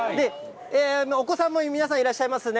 お子さんも皆さん、いらっしゃいますね。